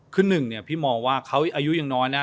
คือหนึ่งเนี่ยพี่มองว่าเขาอายุยังน้อยนะ